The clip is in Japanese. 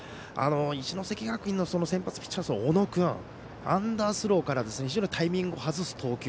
一関学院の先発ピッチャーの小野君アンダースローからタイミングを外す投球。